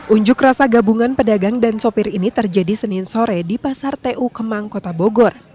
unjuk rasa gabungan pedagang dan sopir ini terjadi senin sore di pasar tu kemang kota bogor